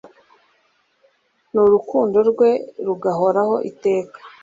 n'urukundo rwe rugahoraho iteka